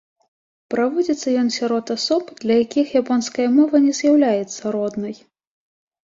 Праводзіцца ён сярод асоб, для якіх японская мова не з'яўляецца роднай.